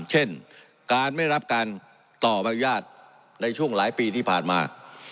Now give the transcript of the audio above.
เช่นการไม่รับการต่อบรรยาทในช่วงหลายปีที่ผ่านมา